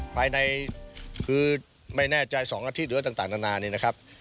ภายในคือไม่แน่ใจ๒อาทิตย์หรือต่างนานานี่นะครับ